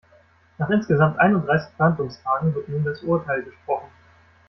Nach insgesamt einunddreißig Verhandlungstagen wird nun das Urteil gesprochen.